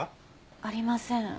ありません。